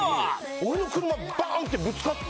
俺の車バーンってぶつかって。